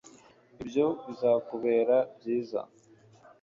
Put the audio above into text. ibyo bizakubera byiza